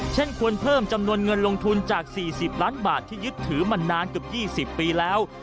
ควรเพิ่มจำนวนเงินลงทุนจาก๔๐ล้านบาทที่ยึดถือมานานเกือบ๒๐ปีแล้ว